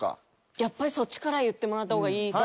やっぱりそっちから言ってもらった方がいいですね。